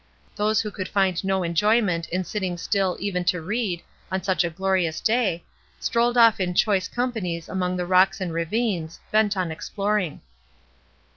Those who could find no en joyment in sitting still even to read, on such a glorious day, strolled off in choice companies among the rocks and ravines, bent on exploring.